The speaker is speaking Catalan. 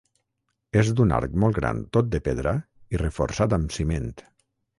És d'un arc molt gran tot de pedra i reforçat amb ciment.